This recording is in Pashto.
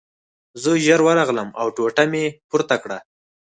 زه ژر ورغلم او ټوټه مې پورته کړه